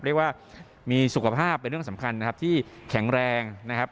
เรียกว่ามีสุขภาพเป็นเรื่องสำคัญนะครับที่แข็งแรงนะครับ